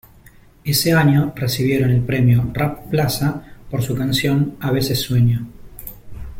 Ese año recibieron el premio Rap Plaza por su canción A veces sueño.